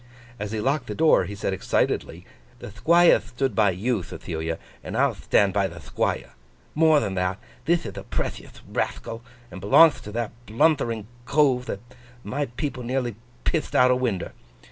As he locked the door, he said excitedly: 'The Thquire thtood by you, Thethilia, and I'll thtand by the Thquire. More than that: thith ith a prethiouth rathcal, and belongth to that bluthtering Cove that my people nearly pitht out o' winder.